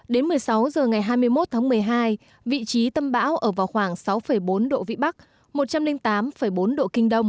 đến một mươi sáu h ngày hai mươi một tháng một mươi hai vị trí tâm bão ở vào khoảng sáu bốn độ vb một trăm linh tám bốn độ k